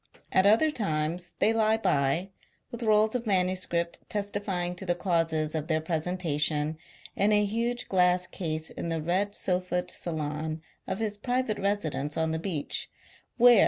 At other times they lie by, with rolls of manuscript testifying to the causes of their presentation, in a huge glass case in the red sofa'd salon of his private residence on the beach, where M.